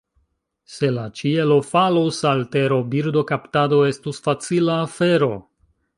Se la ĉielo falus al tero, birdokaptado estus facila afero.